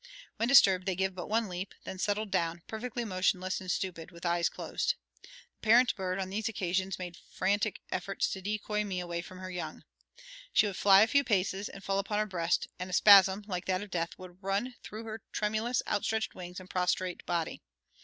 When disturbed, they gave but one leap, then settled down, perfectly motionless and stupid, with eyes closed. The parent bird, on these occasions made frantic efforts to decoy me away from her young. She would fly a few paces and fall upon her breast, and a spasm, like that of death, would run through her tremulous outstretched wings and prostrate body.